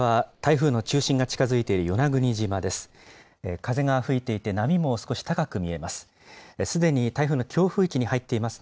風が吹いていて、波も少し高く見えます。